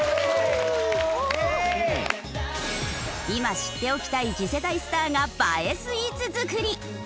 今知っておきたい次世代スターが映えスイーツ作り！